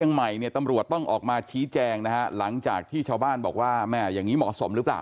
ใหม่เนี่ยตำรวจต้องออกมาชี้แจงนะฮะหลังจากที่ชาวบ้านบอกว่าแม่อย่างนี้เหมาะสมหรือเปล่า